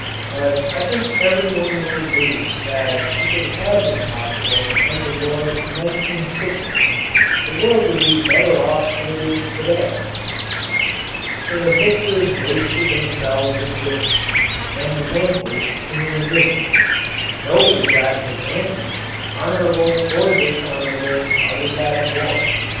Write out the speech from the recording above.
But I think everyone will agree that if it had been possible to end the war in 1916 the world would be better off than it is to day. For the victors wasted themselves in winning, and the vanquished in resisting. Nobody got an advantage, honourable or dishonourable, out of that war.